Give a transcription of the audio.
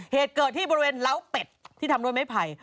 เหตุเกิดที่บริเวณเล้าเป็ดที่ทำด้วยไม้ไผ่